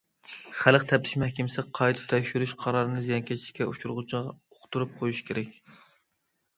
خەلق تەپتىش مەھكىمىسى قايتا تەكشۈرۈش قارارىنى زىيانكەشلىككە ئۇچرىغۇچىغا ئۇقتۇرۇپ قويۇشى كېرەك.